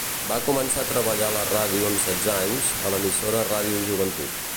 Va començar a treballar a la ràdio amb setze anys, a l'emissora Ràdio Joventut.